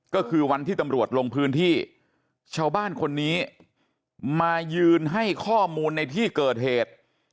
ก็คือวันที่ตำรวจลงพื้นที่ชาวบ้านคนนี้มายืนให้ข้อมูลในที่เกิดเหตุ